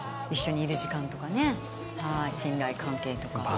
一緒にいる時間とか信頼関係とか。